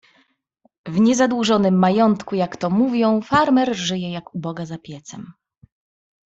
"W niezadłużonym majątku, jak to mówią, farmer żyje jak u Boga za piecem."